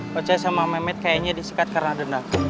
koces sama mehmet kayaknya disikat karena dendam